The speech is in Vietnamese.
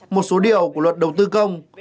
một số điều của luật đầu tư công